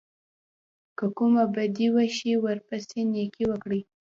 که کومه بدي وشي ورپسې نېکي وکړئ.